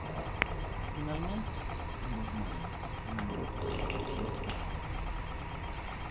Finalmente, ambos mueren enamorados, como esperaban.